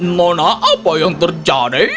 nona apa yang terjadi